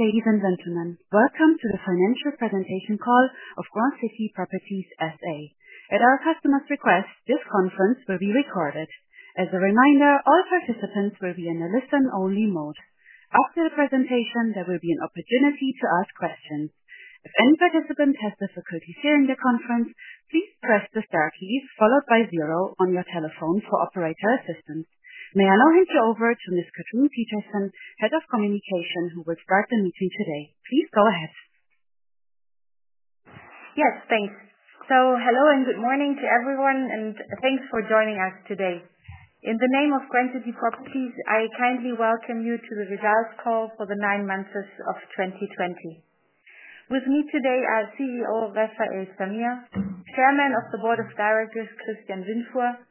Ladies and gentlemen, welcome to the financial presentation call of Grand City Properties S.A.. At our customer's request, this conference will be recorded. As a reminder, all participants will be in a listen-only mode. After the presentation, there will be an opportunity to ask questions. If any participant has difficulty hearing the conference, please press the star key, followed by zero on your telephone for operator assistance. May I now hand you over to Ms. Katrin Petersen, Head of Communication, who will start the meeting today. Please go ahead. Yes. Thanks. Hello and good morning to everyone, and thanks for joining us today. In the name of Grand City Properties, I kindly welcome you to the results call for the nine months of 2020. With me today are CEO Refael Zamir, Chairman of the Board of Directors, Christian Windfuhr,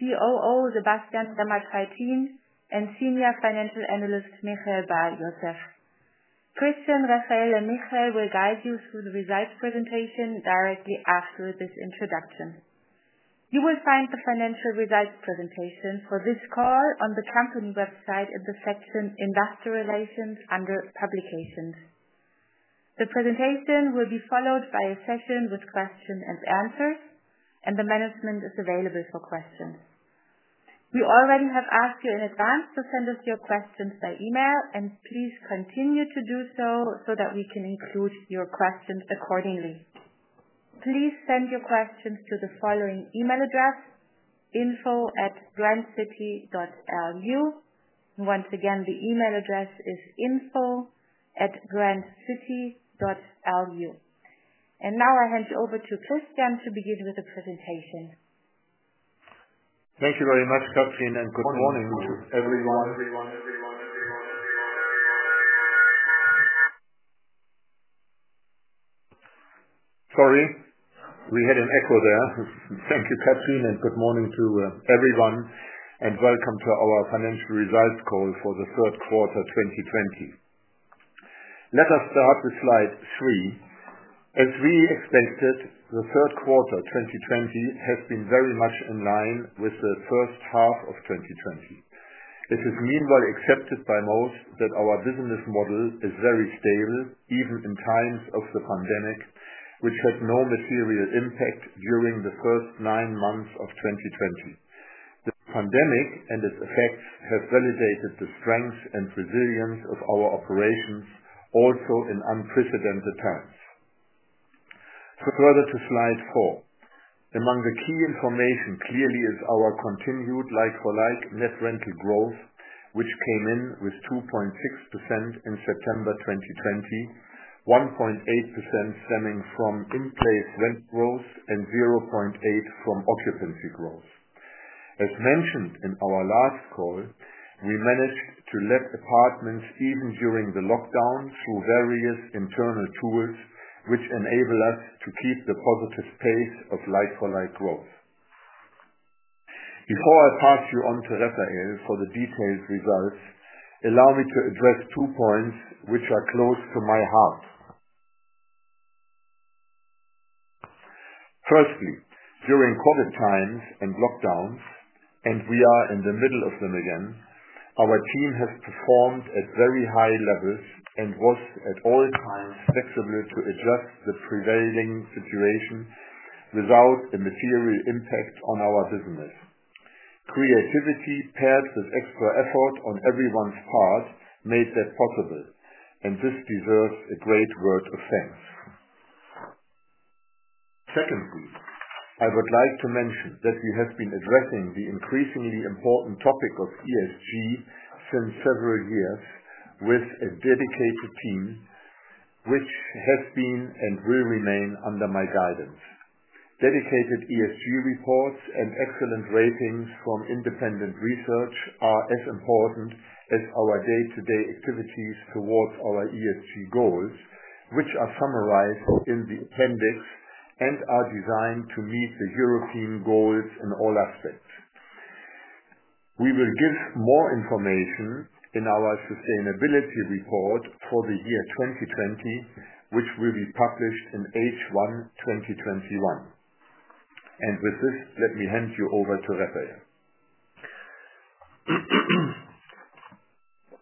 COO Sebastian Faltin, and Senior Financial Analyst Michael Bar-Yosef. Christian, Refael, and Michael will guide you through the results presentation directly after this introduction. You will find the financial results presentation for this call on the company website in the section Investor Relations under Publications. The presentation will be followed by a session with questions and answers. The management is available for questions. We already have asked you in advance to send us your questions by email. Please continue to do so that we can include your questions accordingly. Please send your questions to the following email address, info@grandcity.lu. Once again, the email address is info@grandcity.lu. Now I hand you over to Christian to begin with the presentation. Thank you very much, Katrin. Good morning to everyone. Sorry, we had an echo there. Thank you, Katrin. Good morning to everyone, and welcome to our financial results call for the third quarter 2020. Let us start with slide three. As we expected, the third quarter 2020 has been very much in line with the first half of 2020. It is meanwhile accepted by most that our business model is very stable, even in times of the pandemic, which has no material impact during the first nine months of 2020. The pandemic and its effects have validated the strength and resilience of our operations, also in unprecedented times. Further to slide four. Among the key information clearly is our continued like-for-like net rental growth, which came in with 2.6% in September 2020, 1.8% stemming from in-place rent growth and 0.8% from occupancy growth. As mentioned in our last call, we managed to let apartments even during the lockdown through various internal tools, which enable us to keep the positive pace of like-for-like growth. Before I pass you on to Refael for the detailed results, allow me to address two points which are close to my heart. Firstly, during COVID times and lockdowns, and we are in the middle of them again, our team has performed at very high levels and was at all times flexible to adjust the prevailing situation without a material impact on our business. Creativity paired with extra effort on everyone's part made that possible, and this deserves a great word of thanks. Secondly, I would like to mention that we have been addressing the increasingly important topic of ESG for several years with a dedicated team, which has been and will remain under my guidance. Dedicated ESG reports and excellent ratings from independent research are as important as our day-to-day activities towards our ESG goals, which are summarized in the appendix and are designed to meet the European goals in all aspects. We will give more information in our sustainability report for the year 2020, which will be published in H1 2021. With this, let me hand you over to Refael.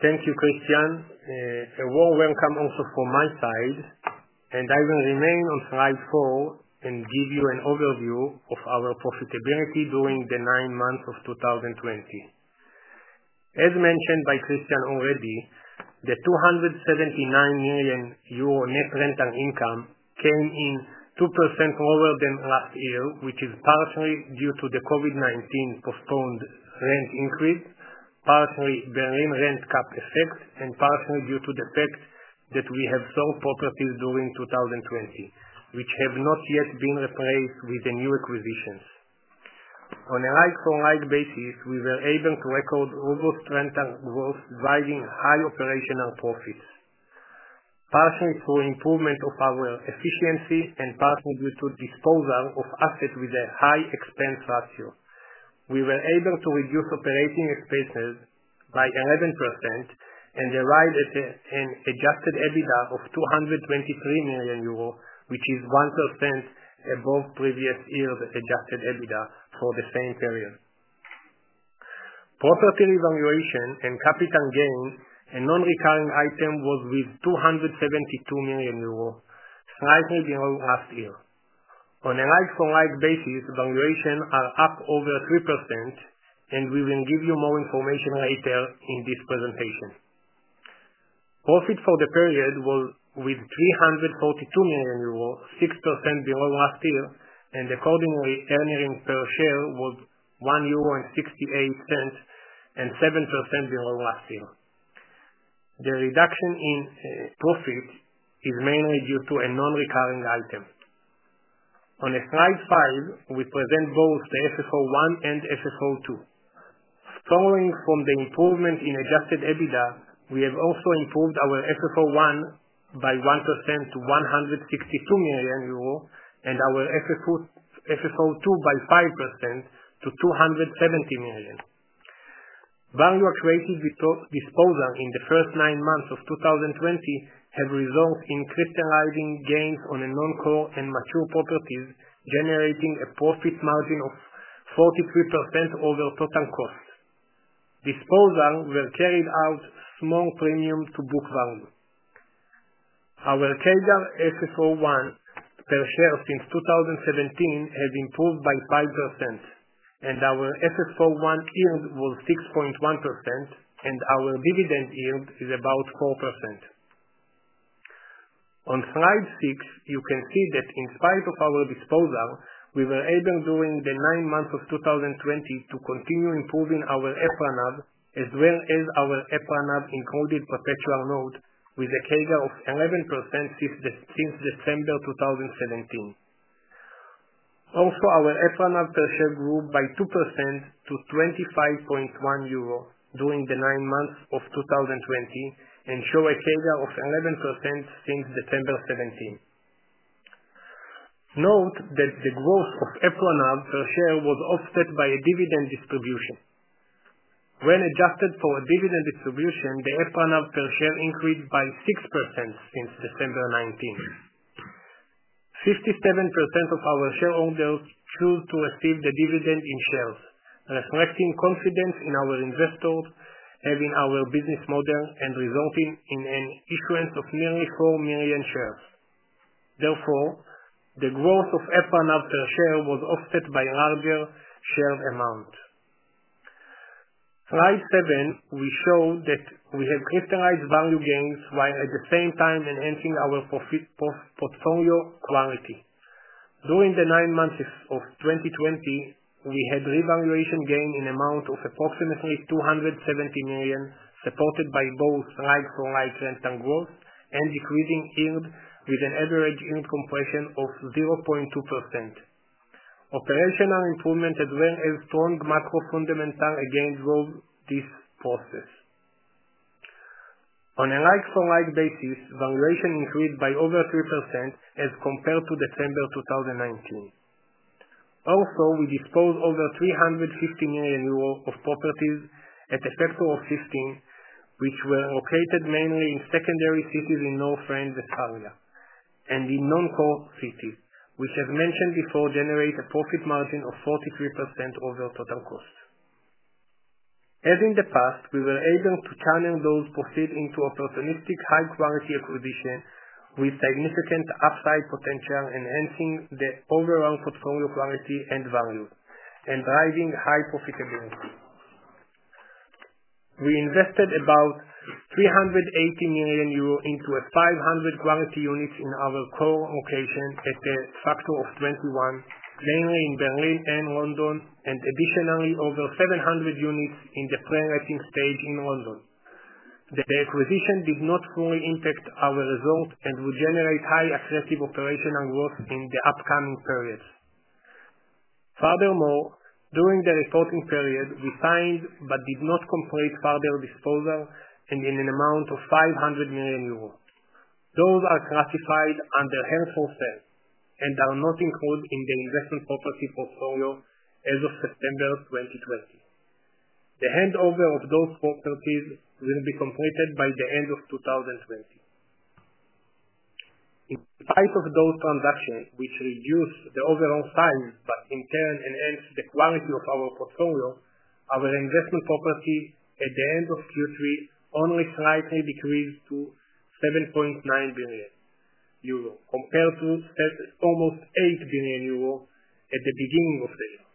Thank you, Christian. A warm welcome also from my side, and I will remain on slide four and give you an overview of our profitability during the nine months of 2020. As mentioned by Christian already, the 279 million euro net rental income came in 2% lower than last year, which is partially due to the COVID-19 postponed rent increase, partially Berlin rent cap effect, and partially due to the fact that we have sold properties during 2020, which have not yet been replaced with the new acquisitions. On a like-for-like basis, we were able to record overall rental growth, driving high operational profits. Partially through improvement of our efficiency and partially due to disposal of assets with a high expense ratio. We were able to reduce operating expenses by 11% and arrive at an adjusted EBITDA of 223 million euro, which is 1% above the previous year's adjusted EBITDA for the same period. Property revaluation and capital gains, a non-recurring item, was with 272 million euros, slightly below last year. On a like-for-like basis, valuations are up over 3%, and we will give you more information later in this presentation. Profit for the period was with 342 million euros, 6% below last year, and accordingly, earnings per share was 1.68 euro and 7% below last year. The reduction in profit is mainly due to a non-recurring item. On slide five, we present both the FFO-1 and FFO-2. Following from the improvement in adjusted EBITDA, we have also improved our FFO-1 by 1% to 162 million euro and our FFO-2 by 5% to 270 million. Value accretive disposal in the first nine months of 2020 have resulted in crystallizing gains on a non-core and mature properties, generating a profit margin of 43% over total cost. Disposal were carried out small premium to book value. Our CAGR FFO-1 per share since 2017 has improved by 5%, and our FFO-1 yield was 6.1%, and our dividend yield is about 4%. On slide six, you can see that in spite of our disposal, we were able during the nine months of 2020 to continue improving our EPRA NAV as well as our EPRA NAV including perpetual note with a CAGR of 11% since December 2017. Also, our EPRA NAV per share grew by 2% to 25.1 euro during the nine months of 2020 and show a CAGR of 11% since December 2017. Note that the growth of EPRA NAV per share was offset by a dividend distribution. When adjusted for dividend distribution, the EPRA NAV per share increased by 6% since December 2019. 57% of our shareholders choose to receive the dividend in shares, reflecting confidence in our investors, having our business model, and resulting in an issuance of nearly four million shares. The growth of EPRA NAV per share was offset by larger share amount. Slide seven, we show that we have crystallized value gains while at the same time enhancing our portfolio quality. During the nine months of 2020, we had revaluation gain in amount of approximately 270 million, supported by both like-for-like rent and growth and decreasing yield with an average unit compression of 0.2%. Operational improvement as well as strong macro fundamental again drove this process. On a like-for-like basis, valuation increased by over 3% as compared to December 2019. We disposed over 350 million euros of properties at a factor of 15, which were located mainly in secondary cities in North Rhine-Westphalia and in non-core cities, which, as mentioned before, generate a profit margin of 43% over total cost. As in the past, we were able to channel those proceeds into opportunistic high-quality acquisition with significant upside potential, enhancing the overall portfolio quality and value and driving high profitability. We invested about 380 million euro into a 500 quality units in our core locations at a factor of 21, mainly in Berlin and London, and additionally, over 700 units in the pre-letting stage in London. The acquisition did not fully impact our results and will generate high accretive operational growth in the upcoming periods. During the reporting period, we signed but did not complete further disposal and in an amount of 500 million euros. Those are classified under held-for-sale and are not included in the investment property portfolio as of September 2020. The handover of those properties will be completed by the end of 2020. In spite of those transactions, which reduce the overall size, but in turn enhance the quality of our portfolio, our investment property at the end of Q3 only slightly decreased to 7.9 billion euro, compared to almost 8 billion euro at the beginning of the year.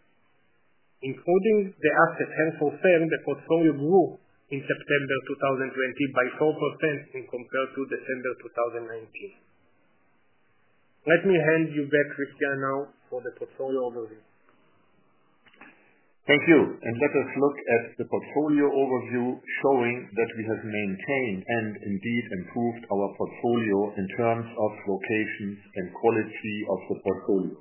Including the asset held-for-sale, the portfolio grew in September 2020 by 4% in compared to December 2019. Let me hand you back, Christian, now for the portfolio overview. Thank you. Let us look at the portfolio overview, showing that we have maintained and indeed improved our portfolio in terms of location and quality of the portfolio.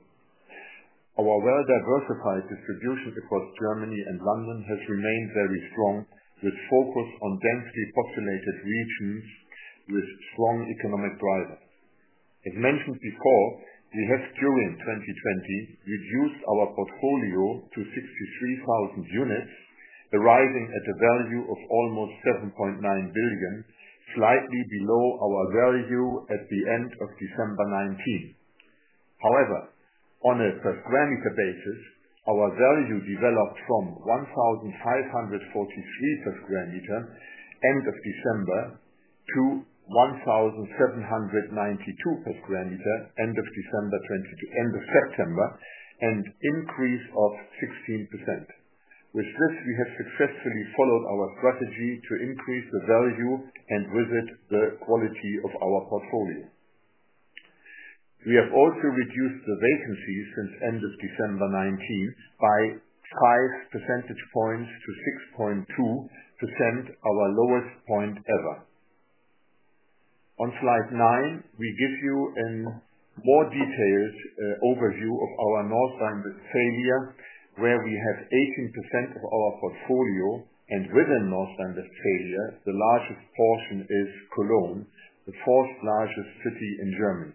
Our well-diversified distribution across Germany and London has remained very strong, with focus on densely populated regions with strong economic drivers. As mentioned before, we have during 2020 reduced our portfolio to 63,000 units, arriving at a value of almost 7.9 billion, slightly below our value at the end of December 2019. However, on a per square meter basis, our value developed from 1,543 per square meter end of December to 1,792 per square meter end of September, an increase of 16%. With this, we have successfully followed our strategy to increase the value and with it, the quality of our portfolio. We have also reduced the vacancies since end of December 2019 by 5 percentage points to 6.2%, our lowest point ever. On slide nine, we give you a more detailed overview of our North Rhine Westphalia, where we have 18% of our portfolio, and within North Rhine Westphalia, the largest portion is Cologne, the fourth largest city in Germany.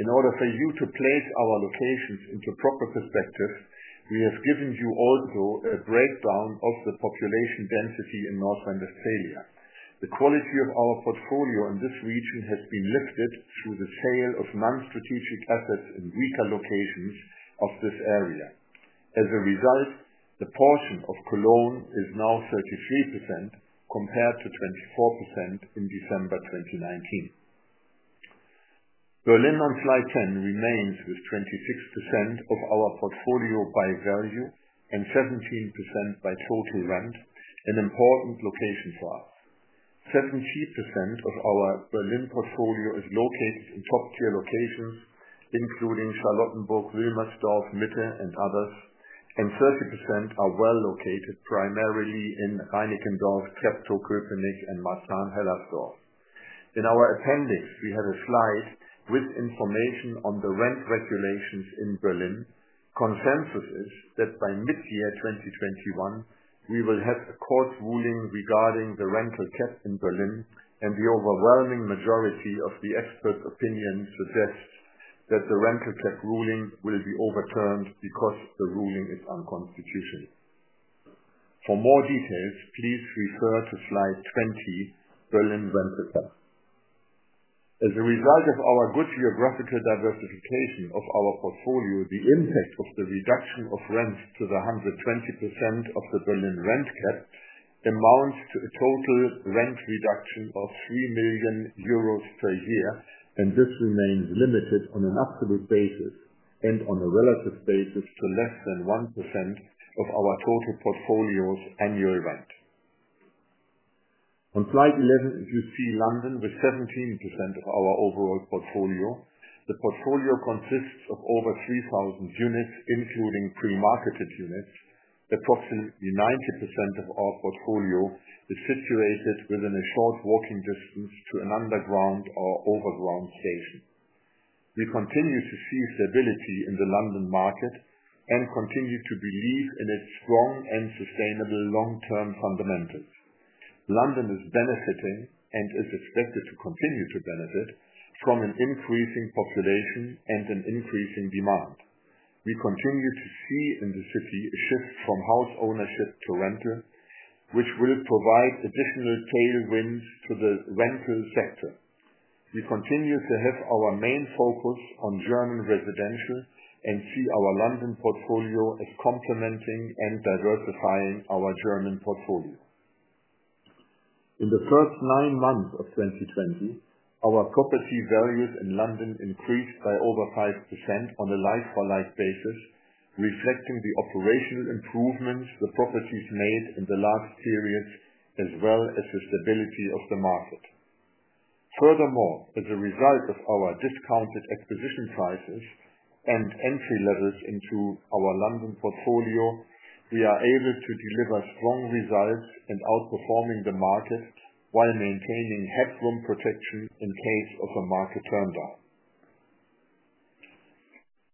In order for you to place our locations into proper perspective, we have given you also a breakdown of the population density in North Rhine Westphalia. The quality of our portfolio in this region has been lifted through the sale of non-strategic assets in weaker locations of this area. As a result, the portion of Cologne is now 33% compared to 24% in December 2019. Berlin, on slide 10, remains with 26% of our portfolio by value and 17% by total rent, an important location for us. 70% of our Berlin portfolio is located in top-tier locations, including Charlottenburg, Wilmersdorf, Mitte, and others, and 30% are well located, primarily in Reinickendorf, Treptow-Köpenick, and Marzahn-Hellersdorf. In our appendix, we have a slide with information on the rent regulations in Berlin. Consensus is that by mid-year 2021, we will have a court ruling regarding the Berlin rent cap, and the overwhelming majority of the expert opinion suggests that the Berlin rent cap ruling will be overturned because the ruling is unconstitutional. For more details, please refer to Slide 20, Berlin Rent Cap. As a result of our good geographical diversification of our portfolio, the impact of the reduction of rents to the 120% of the Berlin rent cap amounts to a total rent reduction of 3 million euros per year. This remains limited on an absolute basis and on a relative basis to less than 1% of our total portfolio's annual rent. On slide 11, you see London with 17% of our overall portfolio. The portfolio consists of over 3,000 units, including pre-marketed units. Approximately 90% of our portfolio is situated within a short walking distance to an underground or overground station. We continue to see stability in the London market and continue to believe in its strong and sustainable long-term fundamentals. London is benefiting and is expected to continue to benefit from an increasing population and an increasing demand. We continue to see in the city a shift from house ownership to rental, which will provide additional tailwinds to the rental sector. We continue to have our main focus on German residential and see our London portfolio as complementing and diversifying our German portfolio. In the first nine months of 2020, our property values in London increased by over 5% on a like-for-like basis, reflecting the operational improvements the properties made in the last periods, as well as the stability of the market. Furthermore, as a result of our discounted acquisition prices and entry levels into our London portfolio, we are able to deliver strong results in outperforming the market while maintaining headroom protection in case of a market turnaround.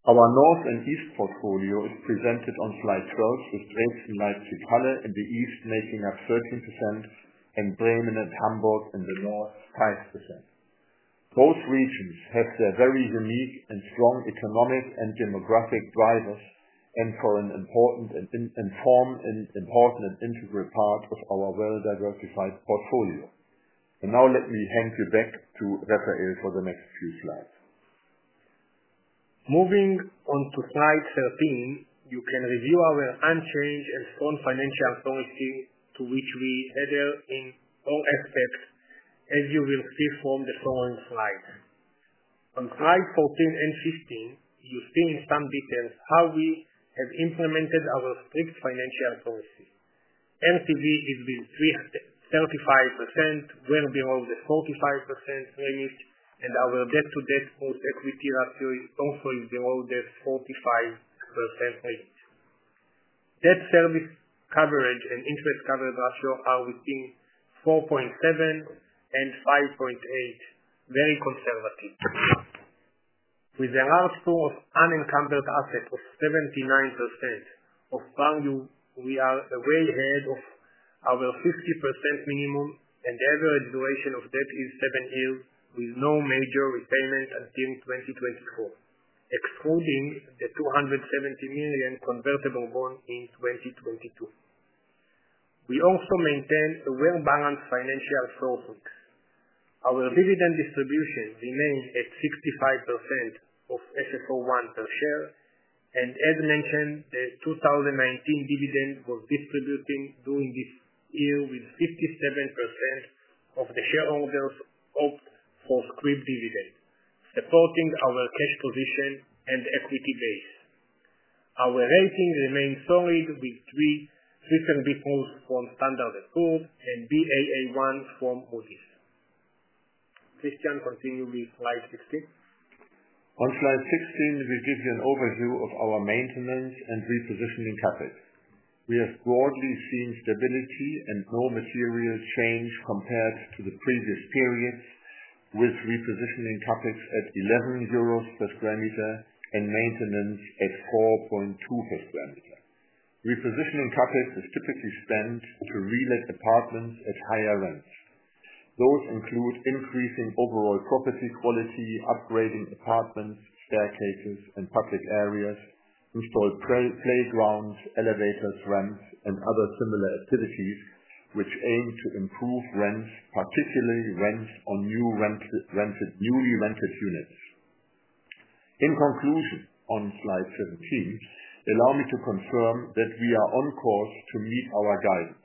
Our North and East portfolio is presented on Slide 12, with Dresden, Leipzig, Halle in the East making up 13%, and Bremen and Hamburg in the North, 5%. Both regions have their very unique and strong economic and demographic drivers and form an important and integral part of our well-diversified portfolio. Now let me hand you back to Refael for the next few slides. Moving on to slide 13, you can review our unchanged and strong financial policy to which we adhere in all aspects, as you will see from the following slides. On Slide 14 and 15, you see in some details how we have implemented our strict financial policy. LTV is with 35%, well below the 45% limit, and our debt-to-debt plus equity ratio is also below the 45% rate. Debt service coverage and interest coverage ratio are within 4.7 and 5.8, very conservative. With a large pool of unencumbered assets of 79% of value, we are way ahead of our 50% minimum, and average duration of debt is seven years, with no major repayment until 2024, excluding the 270 million convertible bond in 2022. We also maintain a well-balanced financial footprint. Our dividend distribution remains at 65% of FFO-1 per share, as mentioned, the 2019 dividend was distributed during this year, with 57% of the shareholders opt for scrip dividend, supporting our cash position and equity base. Our ranking remains solid with BBB+ credit rating from Standard & Poor's and Baa1 from Moody's. Christian, continue with slide 16. On slide 16, we give you an overview of our maintenance and repositioning capex. We have broadly seen stability and no material change compared to the previous periods, with repositioning capex at 11 euros per square meter and maintenance at 4.2 per square meter. Repositioning capex is typically spent to relet apartments at higher rents. Those include increasing overall property quality, upgrading apartments, staircases, and public areas, install playgrounds, elevators, ramps, and other similar activities, which aim to improve rents, particularly rents on newly rented units. In conclusion, on slide 17, allow me to confirm that we are on course to meet our guidance.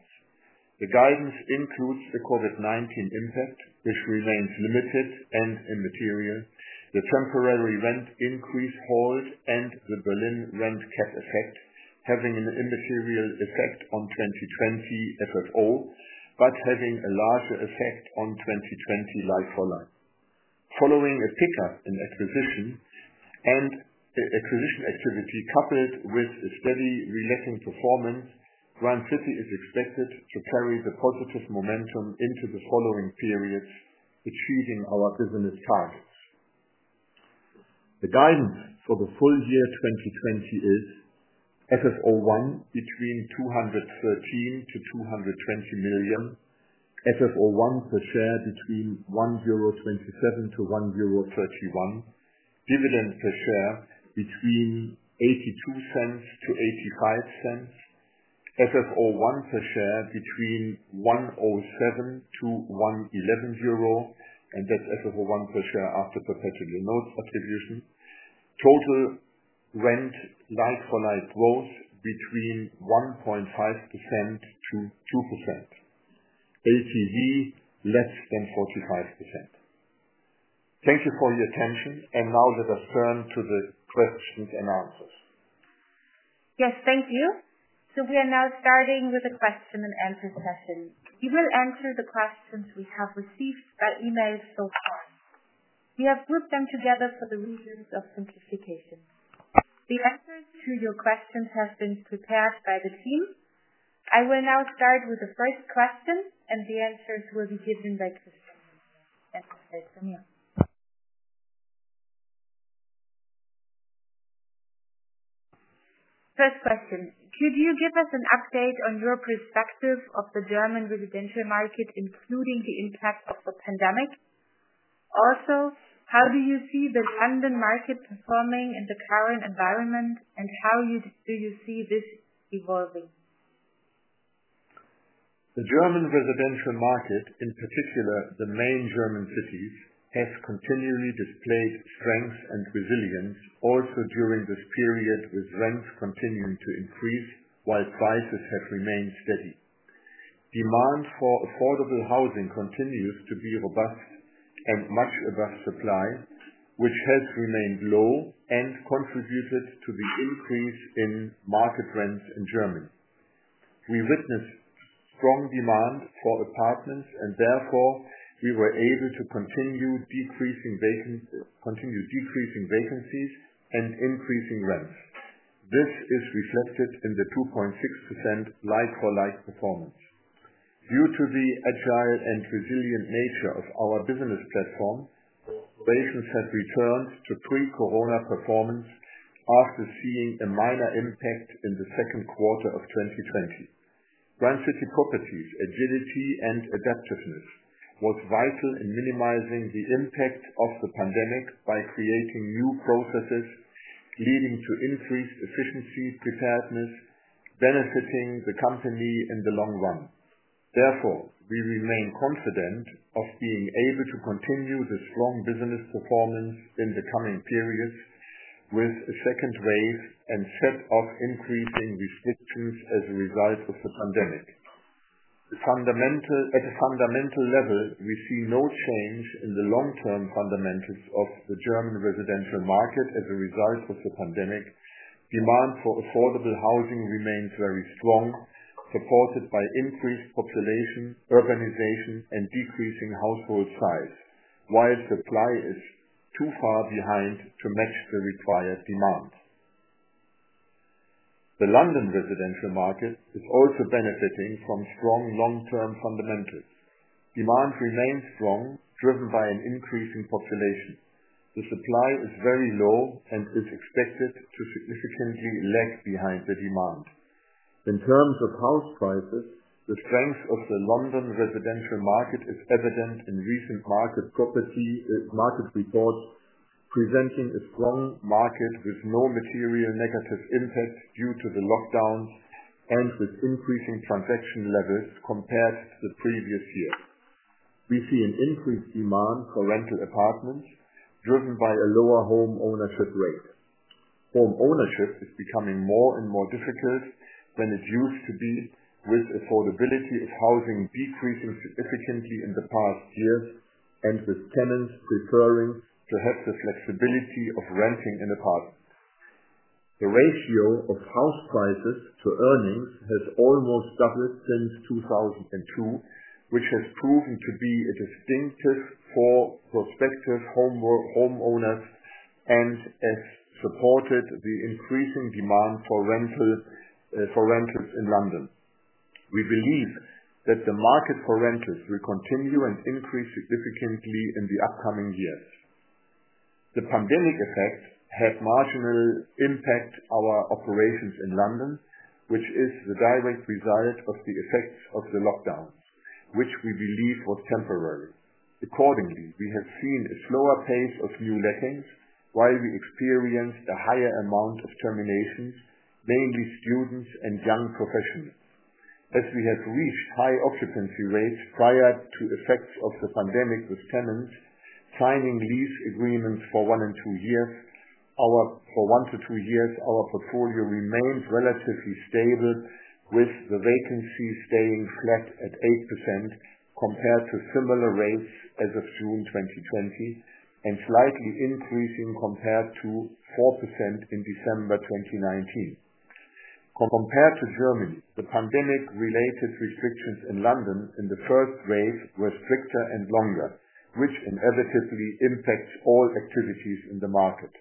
The guidance includes the COVID-19 impact, which remains limited and immaterial, the temporary rent increase halt, and the Berlin rent cap effect, having an immaterial effect on 2020F at all, but having a larger effect on 2020 like-for-like. Following a pickup in acquisition activity coupled with a steady reletting performance, Grand City is expected to carry the positive momentum into the following periods, achieving our business targets. The guidance for the full year 2020 is FFO-1 between 213 million to 220 million. FFO-1 per share between 1.27 euro to 1.31 euro. Dividend per share between 0.82 to 0.85. FFO-1 per share between 1.07 euro to 1.11 euro. That's FFO-1 per share after perpetual notes attribution. Total rent like-for-like growth between 1.5%-2%. LTV less than 45%. Thank you for your attention. Now let us turn to the questions and answers. Yes, thank you. We are now starting with the question and answer session. We will answer the questions we have received by email so far. We have grouped them together for the reasons of simplification. The answers to your questions have been prepared by the team. I will now start with the first question. The answers will be given by Christian and by Zamir. First question. Could you give us an update on your perspective of the German residential market, including the impact of the pandemic? How do you see the London market performing in the current environment, and how do you see this evolving? The German residential market, in particular, the main German cities, has continually displayed strength and resilience also during this period, with rents continuing to increase while prices have remained steady. Demand for affordable housing continues to be robust and much above supply, which has remained low and contributed to the increase in market rents in Germany. We witnessed strong demand for apartments. Therefore we were able to continue decreasing vacancies and increasing rents. This is reflected in the 2.6% like-for-like performance. Due to the agile and resilient nature of our business platform, operations have returned to pre-corona performance after seeing a minor impact in the second quarter of 2020. Grand City Properties agility and adaptiveness was vital in minimizing the impact of the pandemic by creating new processes, leading to increased efficiency preparedness, benefiting the company in the long run. Therefore, we remain confident of being able to continue the strong business performance in the coming periods with a second wave and set off increasing restrictions as a result of the pandemic. At a fundamental level, we see no change in the long-term fundamentals of the German residential market as a result of the pandemic. Demand for affordable housing remains very strong, supported by increased population, urbanization, and decreasing household size, while supply is too far behind to match the required demand. The London residential market is also benefiting from strong long-term fundamentals. Demand remains strong, driven by an increase in population. The supply is very low and is expected to significantly lag behind the demand. In terms of house prices, the strength of the London residential market is evident in recent market reports, which present a strong market with no material negative impact due to the lockdowns, and with increasing transaction levels compared to the previous year. We see an increased demand for rental apartments driven by a lower home ownership rate. Home ownership is becoming more and more difficult than it used to be, with affordability of housing decreasing significantly in the past years, and with tenants preferring to have the flexibility of renting an apartment. The ratio of house prices to earnings has almost doubled since 2002, which has proven to be distinctive for prospective homeowners, and has supported the increasing demand for rentals in London. We believe that the market for rentals will continue and increase significantly in the upcoming years. The pandemic effect had marginal impact our operations in London, which is the direct result of the effects of the lockdown, which we believe was temporary. Accordingly, we have seen a slower pace of new lettings while we experienced a higher amount of terminations, mainly students and young professionals. As we have reached high occupancy rates prior to effects of the pandemic with tenants signing lease agreements for one or two years, our portfolio remains relatively stable with the vacancy staying flat at 8% compared to similar rates as of June 2020, and slightly increasing compared to 4% in December 2019. Compared to Germany, the pandemic related restrictions in London in the first wave were stricter and longer, which inevitably impacts all activities in the market.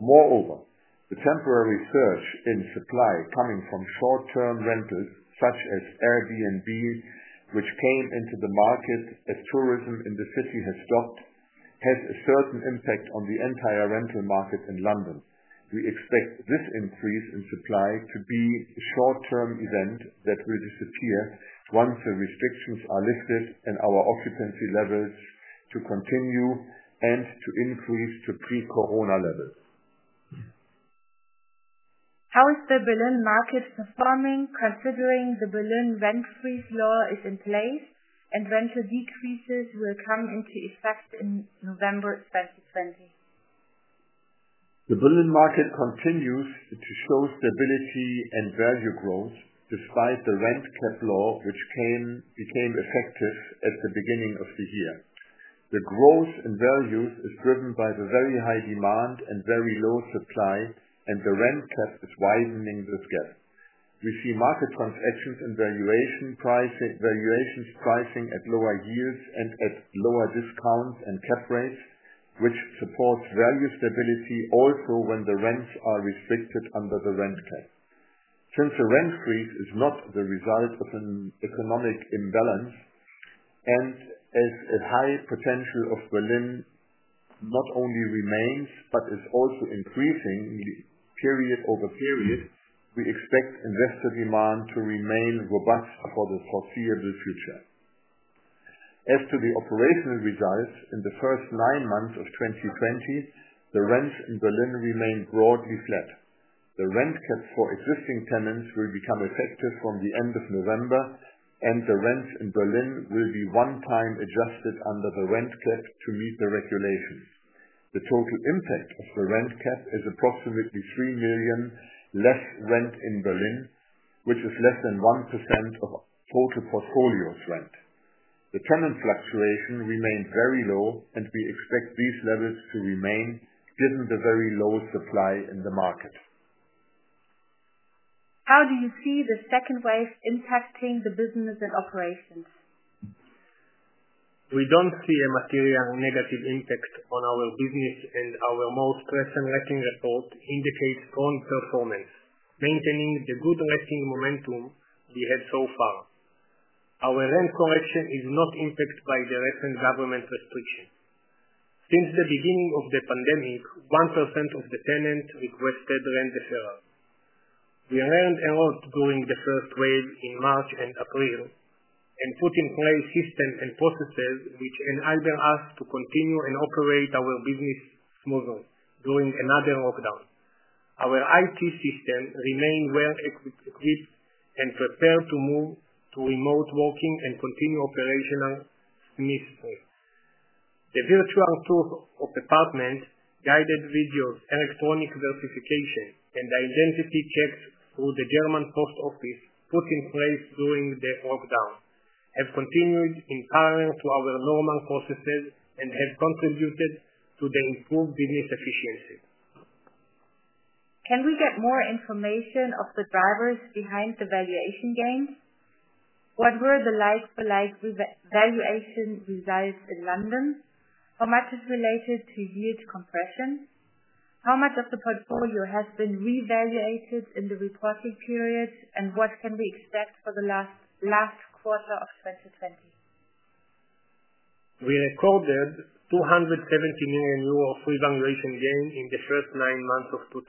Moreover, the temporary surge in supply coming from short-term rentals such as Airbnb, which came into the market as tourism in the city has stopped, had a certain impact on the entire rental market in London. We expect this increase in supply to be a short-term event that will disappear once the restrictions are lifted and our occupancy levels to continue and to increase to pre-corona levels. How is the Berlin market performing, considering the Berlin rent freeze law is in place and rental decreases will come into effect in November 2020? The Berlin market continues to show stability and value growth despite the Rent Cap law, which became effective at the beginning of the year. The growth in values is driven by the very high demand and very low supply. The Rent Cap is widening this gap. We see market transactions and valuations pricing at lower yields and at lower discounts and cap rates, which supports value stability also when the rents are restricted under the Rent Cap. Since the Rent Freeze is not the result of an economic imbalance, as a high potential of Berlin not only remains, but is also increasing period over period, we expect investor demand to remain robust for the foreseeable future. As to the operational results in the first nine months of 2020, the rents in Berlin remained broadly flat. The Rent Caps for existing tenants will become effective from the end of November. The rents in Berlin will be one time adjusted under the Rent Cap to meet the regulations. The total impact of the Rent Cap is approximately 3 million less rent in Berlin, which is less than 1% of total portfolio's rent. The tenant fluctuation remained very low. We expect these levels to remain given the very low supply in the market. How do you see the second wave impacting the business and operations? We don't see a material negative impact on our business, our most recent letting report indicates strong performance, maintaining the good letting momentum we had so far. Our rent collection is not impacted by the recent government restriction. Since the beginning of the pandemic, 1% of the tenants requested rent deferral. We learned a lot during the first wave in March and April, and put in place systems and processes which enable us to continue and operate our business smoothly during another lockdown. Our IT system remained well-equipped and prepared to move to remote working and continue operational smoothly. The virtual tour of apartment, guided videos, electronic verification, and identity checks through the German post office put in place during the lockdown, have continued in parallel to our normal processes and have contributed to the improved business efficiency. Can we get more information of the drivers behind the valuation gains? What were the like-for-like valuation results in London? How much is related to yield compression? How much of the portfolio has been reevaluated in the reporting period, and what can we expect for the last quarter of 2020? We recorded 270 million euro revaluation gain in the first nine months of 2020.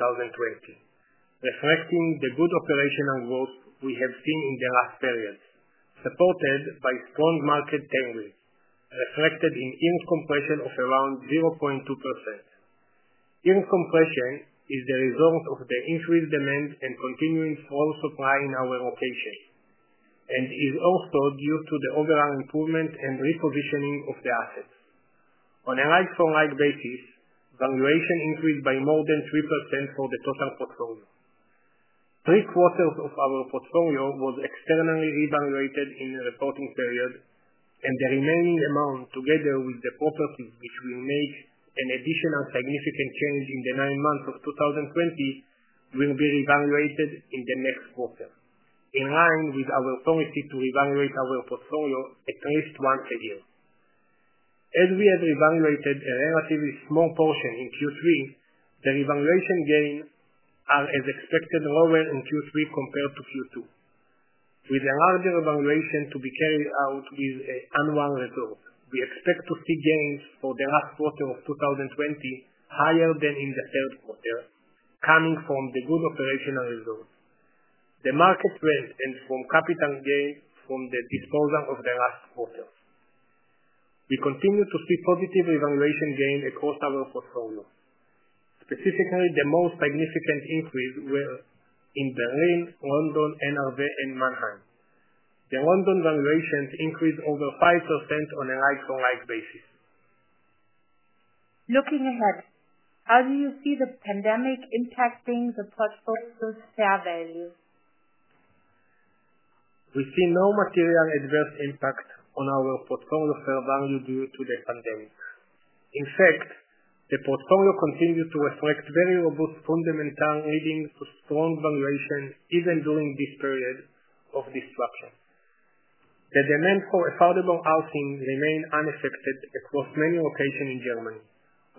Reflecting the good operational growth we have seen in the last period, supported by strong market trends reflected in earnings compression of around 0.2%. Earnings compression is the result of the increased demand and continuing slow supply in our locations, is also due to the overall improvement and repositioning of the assets. On a like-for-like basis, valuation increased by more than 3% for the total portfolio. Three-quarters of our portfolio was externally revaluated in the reporting period, the remaining amount, together with the properties which will make an additional significant change in the nine months of 2020, will be revaluated in the next quarter, in line with our policy to revaluate our portfolio at least once a year. As we have revaluated a relatively small portion in Q3, the revaluation gains are as expected, lower in Q3 compared to Q2. With a larger evaluation to be carried out with annual results, we expect to see gains for the last quarter of 2020 higher than in the third quarter, coming from the good operational results, the market rent, from capital gains from the disposal of the last quarter. We continue to see positive revaluation gain across our portfolio. Specifically, the most significant increase were in Berlin, London, N.R.W., and Mannheim. The London valuations increased over 5% on a like-for-like basis. Looking ahead, how do you see the pandemic impacting the portfolio's fair value? We see no material adverse impact on our portfolio fair value due to the pandemic. In fact, the portfolio continues to reflect very robust fundamentals, leading to strong valuation even during this period of disruption. The demand for affordable housing remains unaffected across many locations in Germany,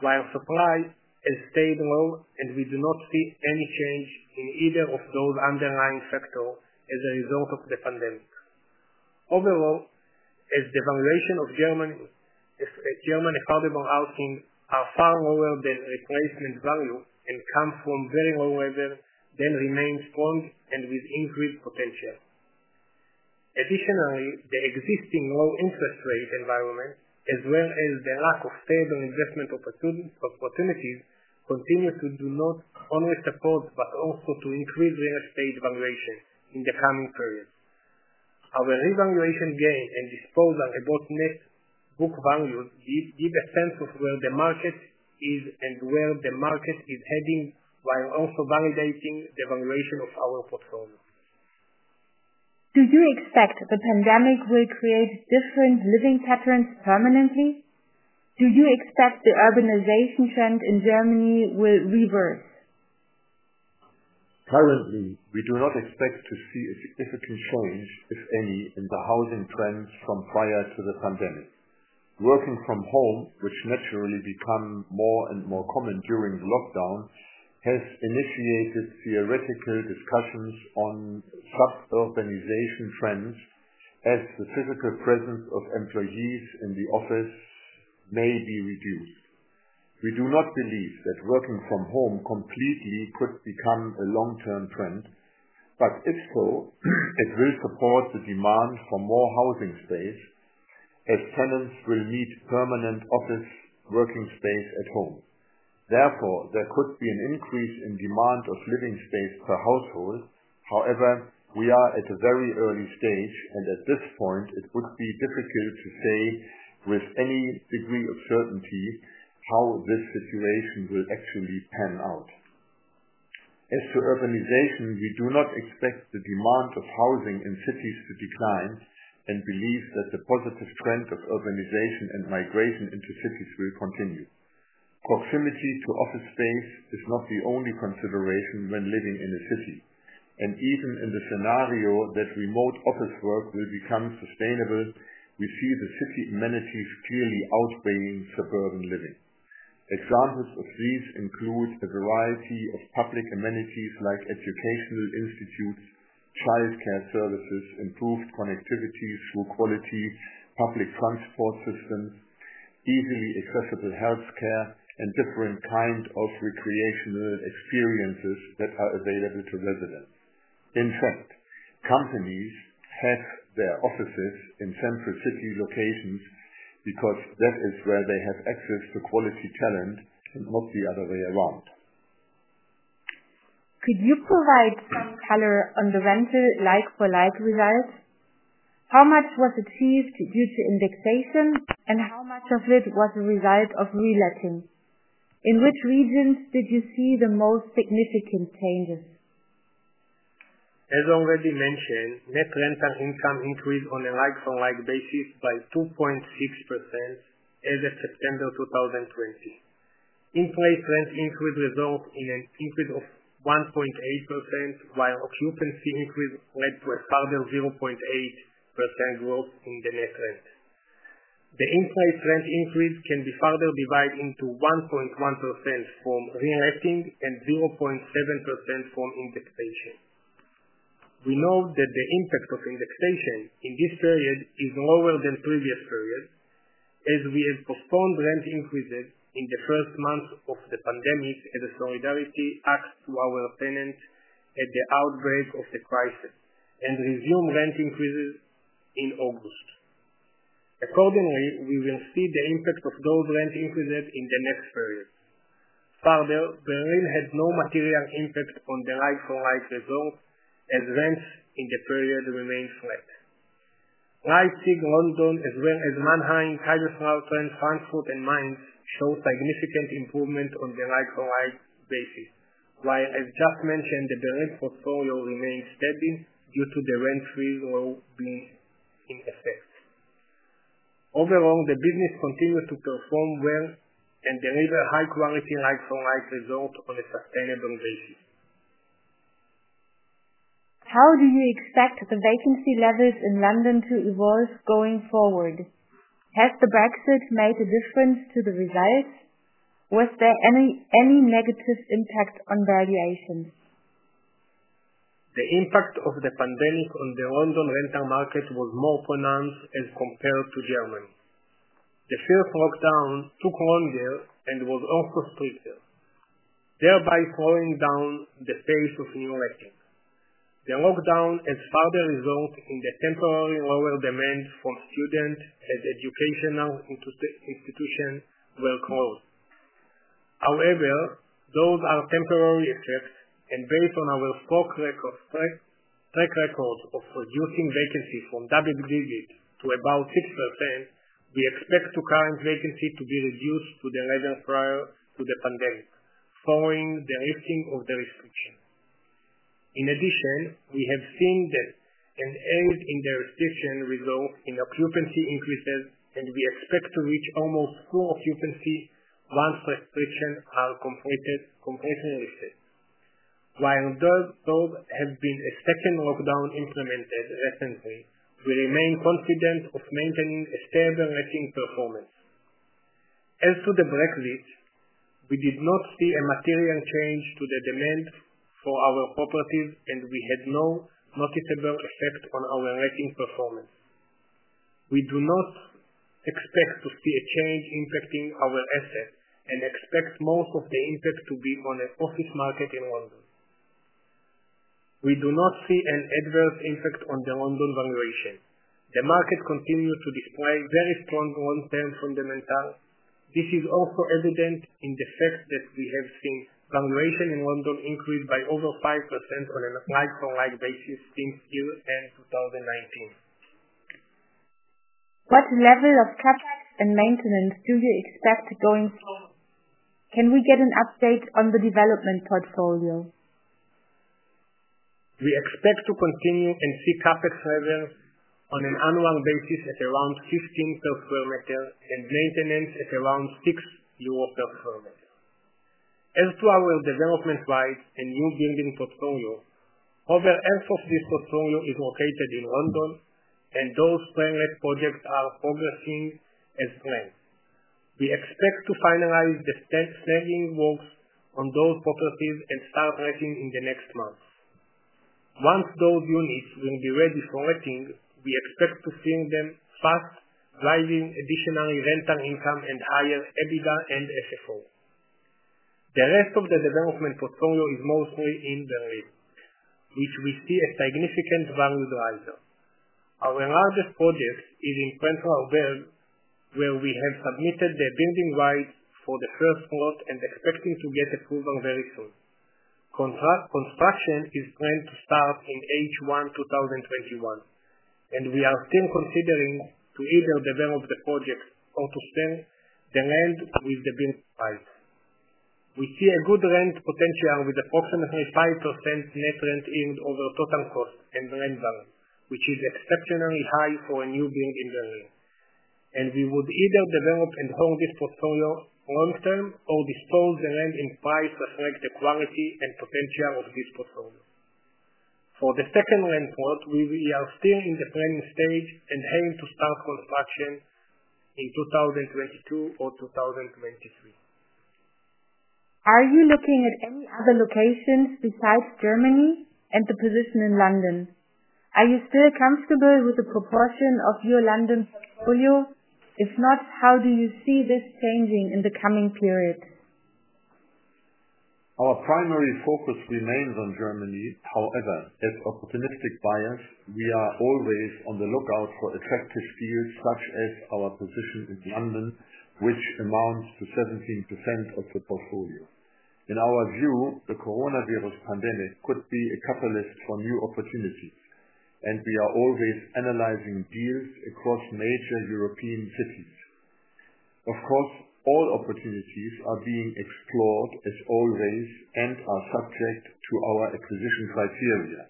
while supply has stayed low, and we do not see any change in either of those underlying factors as a result of the pandemic. Overall, as the valuation of German affordable housing are far lower than replacement value and comes from very low levels, they remain strong and with increased potential. Additionally, the existing low interest rate environment, as well as the lack of stable investment opportunities, continues to do not only support, but also to increase real estate valuation in the coming periods. Our revaluation gain and disposal are both net book value, give a sense of where the market is and where the market is heading, while also validating the valuation of our portfolio. Do you expect the pandemic will create different living patterns permanently? Do you expect the urbanization trend in Germany will reverse? Currently, we do not expect to see a significant change, if any, in the housing trends from prior to the pandemic. Working from home, which naturally become more and more common during lockdown, has initiated theoretical discussions on such urbanization trends as the physical presence of employees in the office may be reduced. We do not believe that working from home completely could become a long-term trend, but if so, it will support the demand for more housing space as tenants will need permanent office working space at home. Therefore, there could be an increase in demand of living space per household. However, we are at a very early stage, and at this point, it would be difficult to say with any degree of certainty how this situation will actually pan out. As for urbanization, we do not expect the demand of housing in cities to decline and believe that the positive trend of urbanization and migration into cities will continue. Proximity to office space is not the only consideration when living in a city, and even in the scenario that remote office work will become sustainable, we see the city amenities clearly outweighing suburban living. Examples of these include a variety of public amenities like educational institutes, childcare services, improved connectivity through quality public transport systems, easily accessible healthcare, and different kinds of recreational experiences that are available to residents. In fact, companies have their offices in central city locations because that is where they have access to quality talent and not the other way around. Could you provide some color on the rental like-for-like results? How much was achieved due to indexation, and how much of it was a result of reletting? In which regions did you see the most significant changes? As already mentioned, net rental income increased on a like-for-like basis by 2.6% as of September 2020. In-place rent increase results in an increase of 1.8%, while occupancy increase led to a further 0.8% growth in the net rent. The in-place rent increase can be further divided into 1.1% from reletting and 0.7% from indexation. We know that the impact of indexation in this period is lower than previous periods, as we have postponed rent increases in the first month of the pandemic as a solidarity act to our tenants at the outbreak of the crisis, and resumed rent increases in August. Accordingly, we will see the impact of those rent increases in the next period. Further, Berlin had no material impact on the like-for-like results, as rents in the period remained flat. Leipzig, London, as well as Mannheim, Kaiserslautern, Frankfurt, and Mainz show significant improvement on the like-for-like basis, while as just mentioned, the Berlin portfolio remains steady due to the rent freeze law being in effect. Overall, the business continues to perform well and deliver high-quality like-for-like results on a sustainable basis. How do you expect the vacancy levels in London to evolve going forward? Has the Brexit made a difference to the results? Was there any negative impact on valuations? The impact of the pandemic on the London rental market was more pronounced as compared to Germany. The first lockdown took longer and was also stricter, thereby slowing down the pace of new lettings. The lockdown has further resulted in the temporary lower demand for students, as educational institutions were closed. However, those are temporary effects, and based on our strong track record of reducing vacancy from double digits to about 6%, we expect the current vacancy to be reduced to the level prior to the pandemic, following the lifting of the restrictions. In addition, we have seen that an end in the restriction results in occupancy increases, and we expect to reach almost full occupancy once restrictions are completely lifted. Though there has been a second lockdown implemented recently, we remain confident of maintaining a stable letting performance. As to the Brexit, we did not see a material change to the demand for our properties, and we had no noticeable effect on our letting performance. We do not expect to see a change impacting our assets and expect most of the impact to be on the office market in London. We do not see an adverse impact on the London valuation. The market continues to display very strong long-term fundamentals. This is also evident in the fact that we have seen valuation in London increase by over 5% on a like-for-like basis since year-end 2019. What level of CapEx and maintenance do you expect going forward? Can we get an update on the development portfolio? We expect to continue and see CapEx revenue on an annual basis at around 15 per square meter and maintenance at around 6 euro per square meter. As to our development rights and new building portfolio, over half of this portfolio is located in London, and those planned projects are progressing as planned. We expect to finalize the snagging works on those properties and start letting in the next months. Once those units will be ready for letting, we expect to see them fast, driving additional rental income and higher EBITDA and FFO. The rest of the development portfolio is mostly in Berlin, which we see a significant value riser. Our largest project is in central Berlin, where we have submitted the building rights for the first plot and expecting to get approval very soon. Construction is planned to start in H1 2021, we are still considering to either develop the project or to sell the land with the building rights. We see a good rent potential with approximately 5% net rent yield over total cost and rent value, which is exceptionally high for a new build in Berlin. We would either develop and hold this portfolio long-term or dispose the land in price that reflects the quality and potential of this portfolio. For the second land plot, we are still in the planning stage and aim to start construction in 2022 or 2023. Are you looking at any other locations besides Germany and the position in London? Are you still comfortable with the proportion of your London portfolio? If not, how do you see this changing in the coming period? Our primary focus remains on Germany. However, as opportunistic buyers, we are always on the lookout for attractive deals such as our position in London, which amounts to 17% of the portfolio. In our view, the coronavirus pandemic could be a catalyst for new opportunities, and we are always analyzing deals across major European cities. Of course, all opportunities are being explored as always and are subject to our acquisition criteria.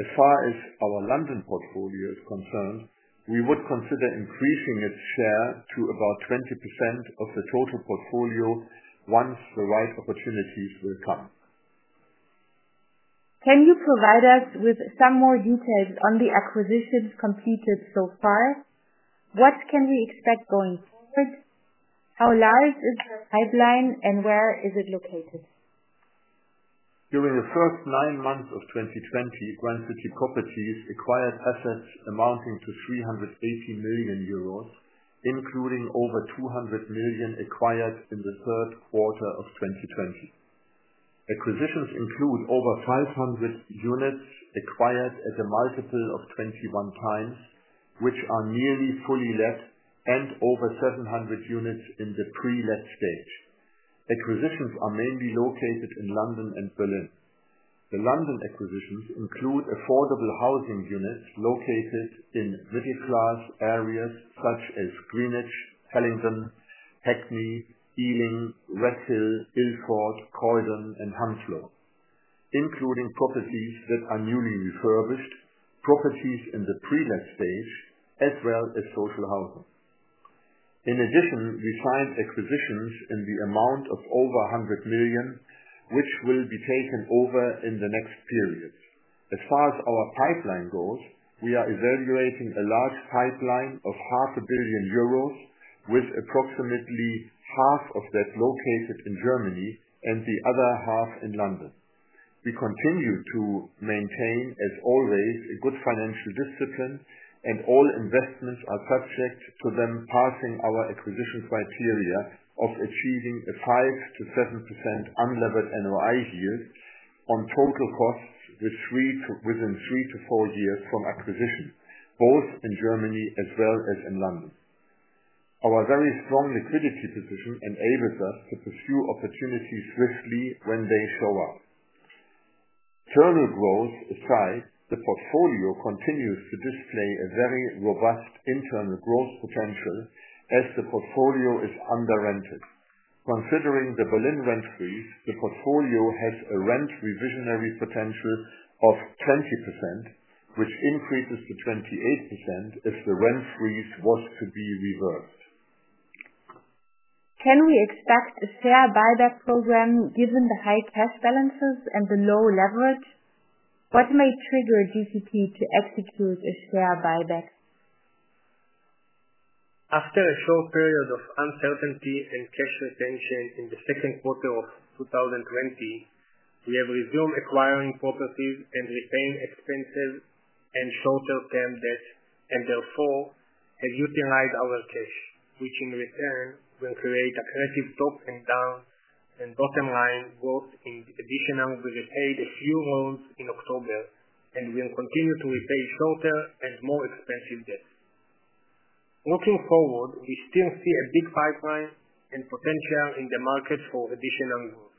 As far as our London portfolio is concerned, we would consider increasing its share to about 20% of the total portfolio once the right opportunities will come. Can you provide us with some more details on the acquisitions completed so far? What can we expect going forward? How large is your pipeline and where is it located? During the first nine months of 2020, Grand City Properties acquired assets amounting to 380 million euros, including over 200 million acquired in the third quarter of 2020. Acquisitions include over 500 units acquired at a multiple of 21 times, which are nearly fully let and over 700 units in the pre-let stage. Acquisitions are mainly located in London and Berlin. The London acquisitions include affordable housing units located in middle class areas such as Greenwich, Hillingdon, Hackney, Ealing, Bexley, Ilford, Croydon, and Hounslow, including properties that are newly refurbished, properties in the pre-let stage, as well as social housing. In addition, we signed acquisitions in the amount of over 100 million, which will be taken over in the next period. As far as our pipeline goes, we are evaluating a large pipeline of half a billion euros, with approximately half of that located in Germany and the other half in London. We continue to maintain, as always, a good financial discipline, and all investments are subject to them passing our acquisition criteria of achieving a 5%-7% unlevered NOI yield on total costs within three to four years from acquisition, both in Germany as well as in London. Our very strong liquidity position enables us to pursue opportunities swiftly when they show up. External growth aside, the portfolio continues to display a very robust internal growth potential as the portfolio is under-rented. Considering the Berlin rent freeze, the portfolio has a rent revisionary potential of 20%, which increases to 28% if the rent freeze was to be reversed. Can we expect a share buyback program given the high cash balances and the low leverage? What may trigger GCP to execute a share buyback? After a short period of uncertainty and cash retention in the second quarter of 2020, we have resumed acquiring properties and repaying expensive and shorter-term debt, and therefore have utilized our cash, which in return will create aggressive top and bottom line growth. In addition, we repaid a few loans in October and will continue to repay shorter and more expensive debt. Looking forward, we still see a big pipeline and potential in the market for additional growth.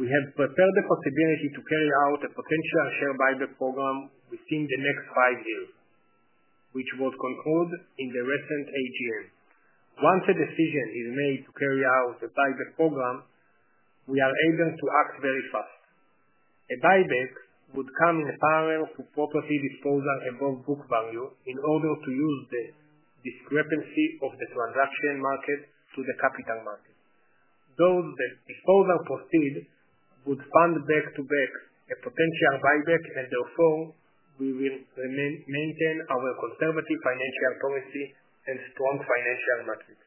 We have prepared the possibility to carry out a potential share buyback program within the next five years, which was concluded in the recent AGM. Once a decision is made to carry out the buyback program, we are able to act very fast. A buyback would come in parallel to property disposal above book value in order to use the discrepancy of the transaction market to the capital market. Those disposal proceeds would fund back-to-back a potential buyback and therefore we will maintain our conservative financial policy and strong financial metrics.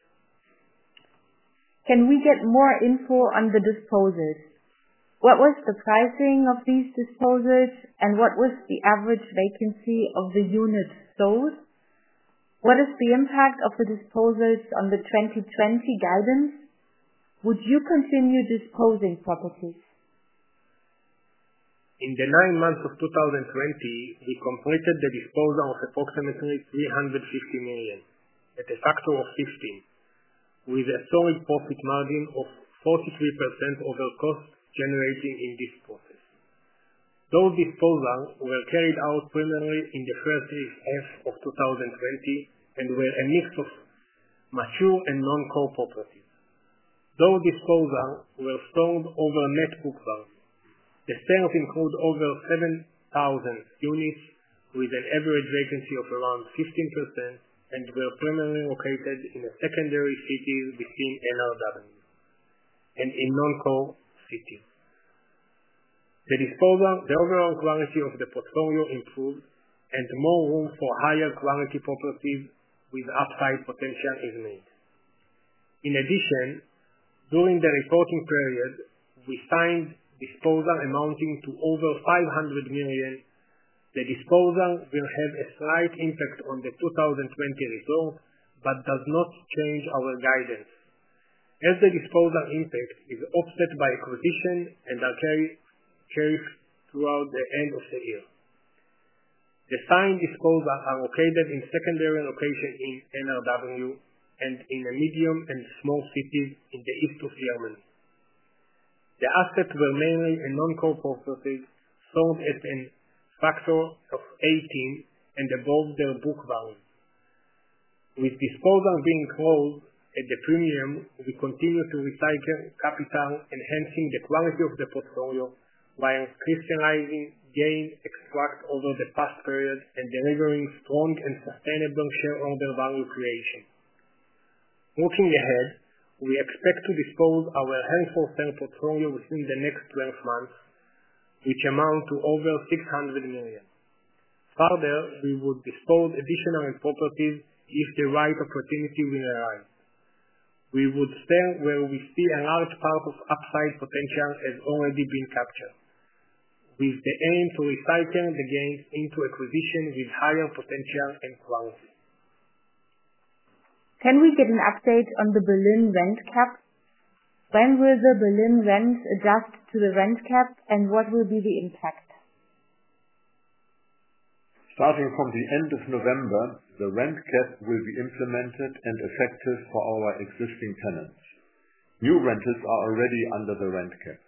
Can we get more info on the disposals? What was the pricing of these disposals, and what was the average vacancy of the units sold? What is the impact of the disposals on the 2020 guidance? Would you continue disposing properties? In the nine months of 2020, we completed the disposal of approximately 350 million at a factor of 15, with a solid profit margin of 43% over cost generated in this process. Those disposals were carried out primarily in the first half of 2020 and were a mix of mature and non-core properties. Those disposals were sold over net book value. The sales include over 7,000 units with an average vacancy of around 15% and were primarily located in the secondary cities between NRW and in non-core cities. The overall quality of the portfolio improved, and more room for higher quality properties with upside potential is made. During the reporting period, we signed disposals amounting to over 500 million. The disposal will have a slight impact on the 2020 result, but does not change our guidance, as the disposal impact is offset by acquisition and are carried throughout the end of the year. The signed disposals are located in secondary locations in NRW and in the medium and small cities in the east of Germany. The assets were mainly a non-core property sold at a factor of 18 and above their book value. With disposals being sold at the premium, we continue to recycle capital, enhancing the quality of the portfolio, while crystallizing gains extract over the past period and delivering strong and sustainable shareholder value creation. Looking ahead, we expect to dispose our held-for-sale portfolio within the next 12 months, which amount to over 600 million. We would dispose additional properties if the right opportunity will arise. We would sell where we see a large part of upside potential has already been captured, with the aim to recycle the gains into acquisition with higher potential and quality. Can we get an update on the Berlin rent cap? When will the Berlin rents adjust to the Berlin rent cap, and what will be the impact? Starting from the end of November, the rent cap will be implemented and effective for our existing tenants. New renters are already under the rent cap.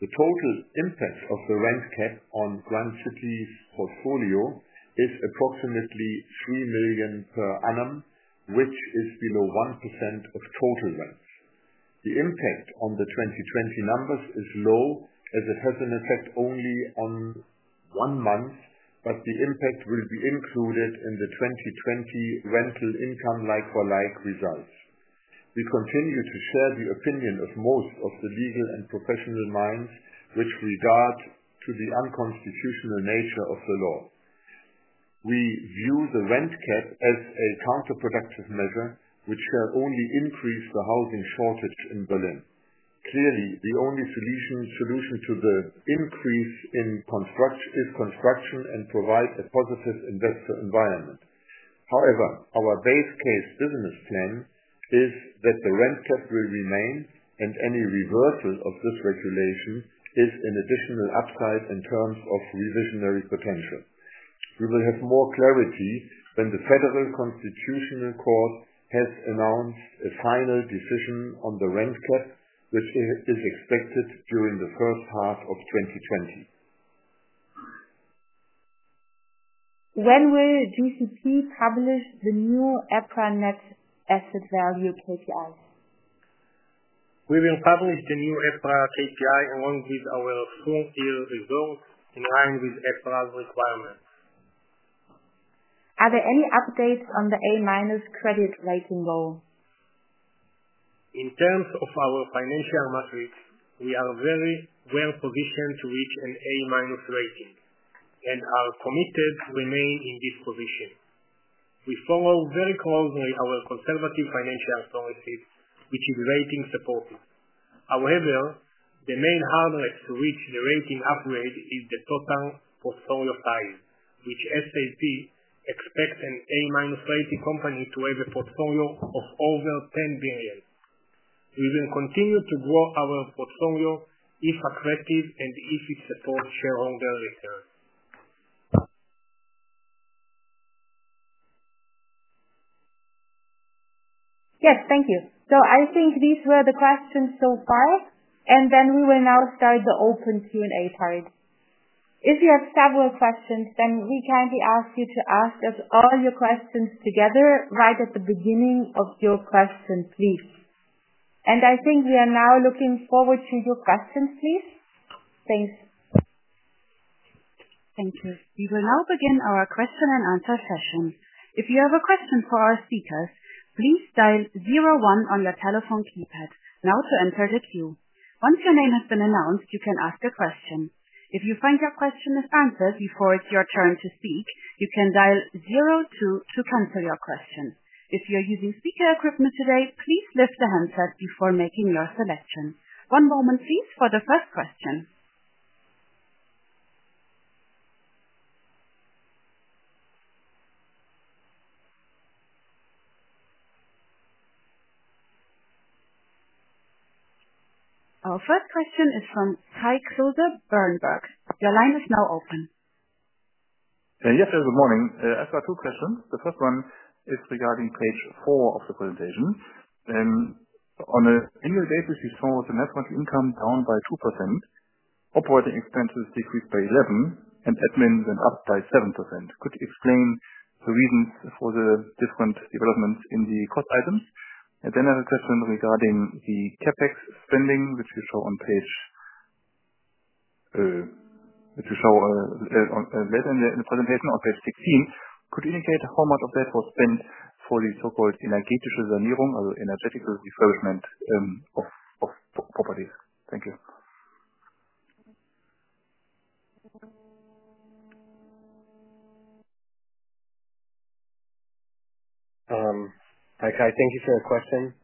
The total impact of the rent cap on Grand City's portfolio is approximately 3 million per annum, which is below 1% of total rents. The impact on the 2020 numbers is low, as it has an effect only on one month, but the impact will be included in the 2020 rental income like-for-like results. We continue to share the opinion of most of the legal and professional minds with regard to the unconstitutional nature of the law. We view the rent cap as a counterproductive measure, which shall only increase the housing shortage in Berlin. Clearly, the only solution to the increase is construction and provide a positive investor environment. Our base case business plan is that the rent cap will remain and any reversal of this regulation is an additional upside in terms of revisionary potential. We will have more clarity when the Federal Constitutional Court has announced a final decision on the rent cap, which is expected during the first half of 2020. When will GCP publish the new EPRA net asset value KPIs? We will publish the new EPRA KPI along with our full-year results, in line with EPRA's requirements. Are there any updates on the A-minus credit rating goal? In terms of our financial metrics, we are very well positioned to reach an A-minus rating, and are committed to remain in this position. We follow very closely our conservative financial policies, which is rating supportive. However, the main hurdle to reach the rating upgrade is the total portfolio size, which S&P expects an A-minus rating company to have a portfolio of over 10 billion. We will continue to grow our portfolio if attractive and if it supports shareholder returns. Yes. Thank you. I think these were the questions so far, we will now start the open Q&A part. If you have several questions, we kindly ask you to ask us all your questions together right at the beginning of your question, please. I think we are now looking forward to your questions, please. Thanks. Thank you. We will now begin our question and answer session. If you have a question for our speakers, please dial zero one on your telephone keypad now to enter the queue. Once your name has been announced, you can ask a question. If you find your question is answered before it's your turn to speak, you can dial zero two to cancel your question. If you're using speaker equipment today, please lift the handset before making your selection. One moment please for the first question. Our first question is from Kai Klose, Berenberg. Your line is now open. Yes. Good morning. I just have two questions. The first one is regarding page four of the presentation. On an annual basis, we saw the net rental income down by 2%, operating expenses decreased by 11%, and admin went up by 7%. Could you explain the reasons for the different developments in the cost items? I have a question regarding the CapEx spending, which you show later in the presentation on page 16. Could you indicate how much of that was spent for the so-called energetische Sanierung or energetic refurbishment of properties? Thank you. Hi, Kai Klose. Thank you for your question.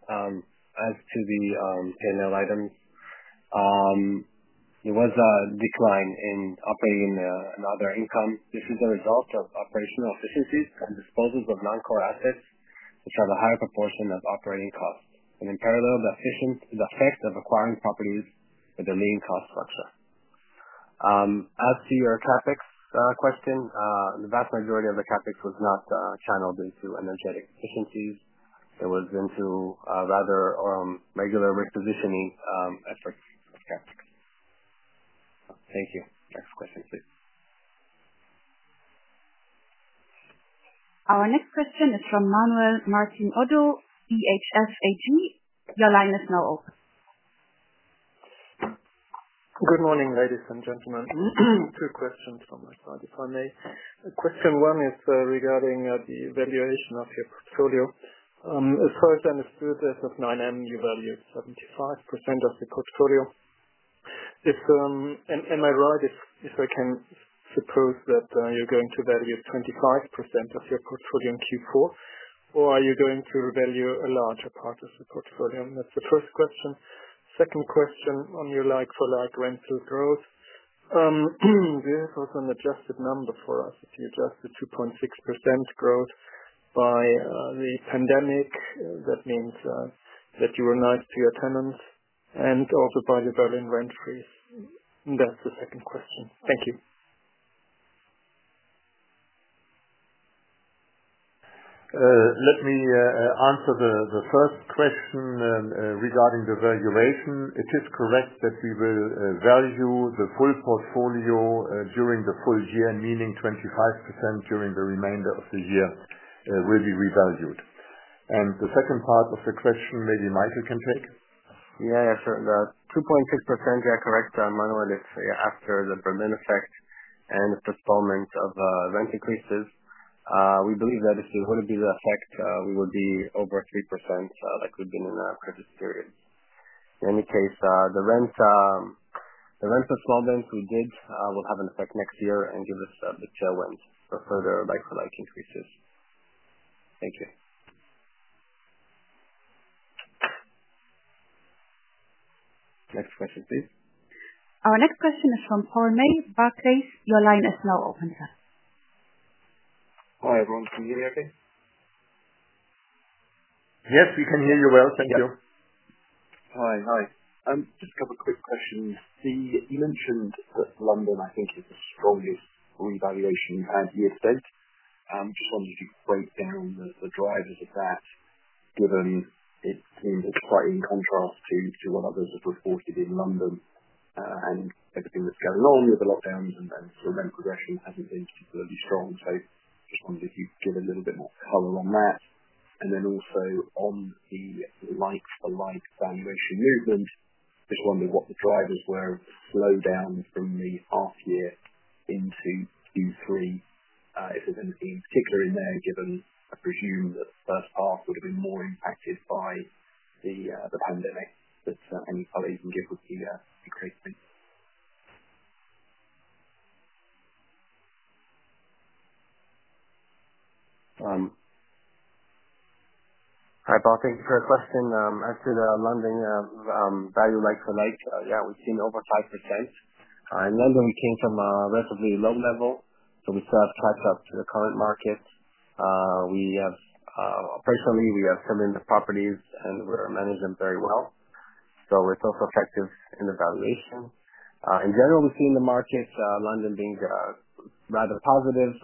As to the P&L items, there was a decline in operating and other income. This is a result of operational efficiencies and disposals of non-core assets which have a higher proportion of operating costs. In parallel, the effect of acquiring properties with a lean cost structure. As to your CapEx question, the vast majority of the CapEx was not channeled into energetic efficiencies. It was into rather regular repositioning efforts of CapEx. Thank you. Next question, please. Our next question is from Manuel Martin, ODDO BHF AG. Your line is now open. Good morning, ladies and gentlemen. Two questions from my side, if I may. Question one is regarding the valuation of your portfolio. As far as I understood, as of 9M, you valued 75% of the portfolio. Am I right if I can suppose that you're going to value 25% of your portfolio in Q4, or are you going to value a larger part of the portfolio? That's the first question. Second question on your like-for-like rental growth. This was an adjusted number for us. If you adjust the 2.6% growth by the pandemic, that means that you were nice to your tenants and also by the Berlin rent freeze. That's the second question. Thank you. Let me answer the first question regarding the valuation. It is correct that we will value the full portfolio during the full year, meaning 25% during the remainder of the year will be revalued. The second part of the question, maybe Michael can take. Yeah, sure. The 2.6%, you are correct, Manuel. It's after the Berlin effect and the postponement of rent increases. We believe that if it wouldn't be the effect, we would be over 3%, like we've been in our previous period. In any case, the rent postponement we did will have an effect next year and give us a bit of tailwind for further like-for-like increases. Thank you. Next question, please. Our next question is from Paul May of Barclays. Your line is now open, sir. Hi, everyone. Can you hear me okay? Yes, we can hear you well. Thank you. Hi. Just a couple quick questions. You mentioned that London, I think, is the strongest revaluation you've had year to date. Just wondering if you could break down the drivers of that, given it seems it's quite in contrast to what others have reported in London and everything that's going on with the lockdowns and then sort of rent progression hasn't been particularly strong. Just wondered if you'd give a little bit more color on that. Also on the like-for-like valuation movement, just wondering what the drivers were of the slowdown from the half year into Q3. If there's anything particular in there, given, I presume, that the first half would have been more impacted by the pandemic. Just any color you can give would be greatly appreciated. Hi, Paul. Thank you for your question. Actually, the London value like-for-like, yeah, we've seen over 5%. In London, we came from a relatively low level, we still have to catch up to the current market. Personally, we have come into properties and we manage them very well. We're still protective in the valuation. In general, we've seen the markets, London being rather positive,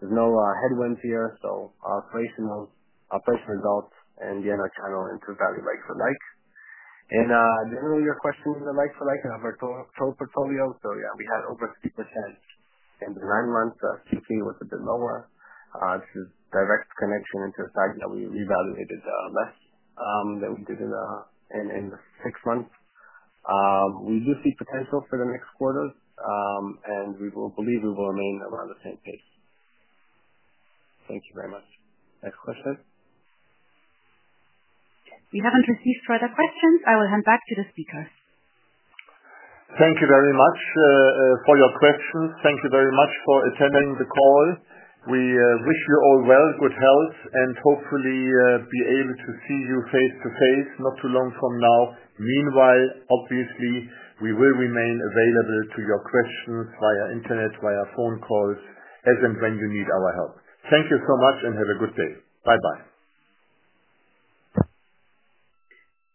there's no headwinds here. Our price results and the other channel into value like-for-like. Generally, your question is a like-for-like in our total portfolio. Yeah, we had over 3% in the nine months. Q3 was a bit lower. This is direct connection into the fact that we reevaluated less than we did in the six months. We do see potential for the next quarters, we believe we will remain around the same pace. Thank you very much. Next question. We haven't received further questions. I will hand back to the speakers. Thank you very much for your questions. Thank you very much for attending the call. We wish you all well, good health, and hopefully be able to see you face-to-face not too long from now. Meanwhile, obviously, we will remain available to your questions via internet, via phone calls, as and when you need our help. Thank you so much and have a good day. Bye-bye.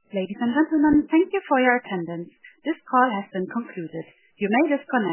Ladies and gentlemen, thank you for your attendance. This call has been concluded. You may disconnect.